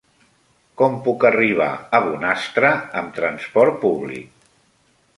Com puc arribar a Bonastre amb trasport públic?